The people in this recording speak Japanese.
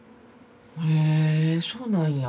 へえそうなんや。